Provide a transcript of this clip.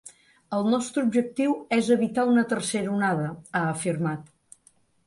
El nostre objectiu és evitar una tercera onada, ha afirmat.